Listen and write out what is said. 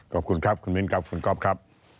ขอบคุณครับคุณมิ้นครับคุณก๊อฟครับ